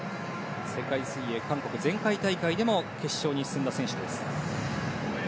世界水泳韓国、前回大会でも決勝に進んだ選手です。